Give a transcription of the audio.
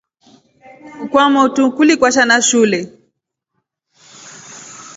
Kwamotru kuli kwasha na shule.